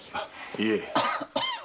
いえ。